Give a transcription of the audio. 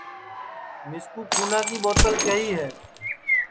مِسکُو کُھونا کی ٻُوتل کیہی ہے